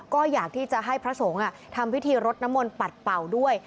ก็อยากที่จะให้พระสงฆ์ทำพิธีรดน้ำมนต์ปัดเป่าด้วย